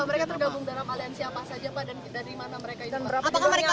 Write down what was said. pak mereka tergabung dalam aliansi apa saja pak